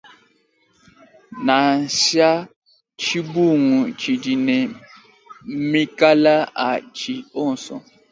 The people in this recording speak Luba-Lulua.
Nansa tshibungu tshidi ne mekala a tshi onso.